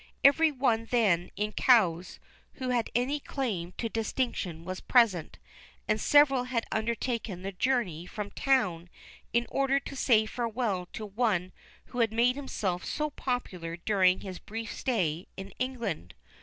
Every one then in Cowes who had any claim to distinction was present, and several had undertaken the journey from town in order to say farewell to one who had made himself so popular during his brief stay in England.